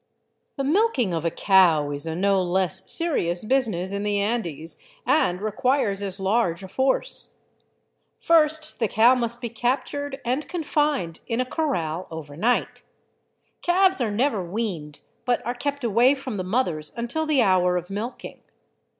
The milking of a cow is a no less serious business in the Andes, and requires as large a force. First the cow must be captured and confined in a corral overnight. Calves are never weaned, but are kept away from the mothers until the hour of milking.